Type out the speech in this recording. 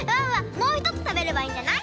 もうひとつたべればいいんじゃない？